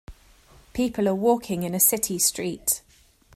People are walking in a city street.